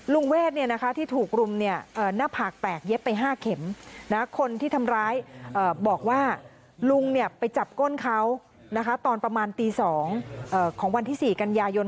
เวทที่ถูกรุมหน้าผากแตกเย็บไป๕เข็มคนที่ทำร้ายบอกว่าลุงไปจับก้นเขาตอนประมาณตี๒ของวันที่๔กันยายน